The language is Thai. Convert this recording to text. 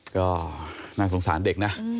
ก็น่าสงสารเด็กนะ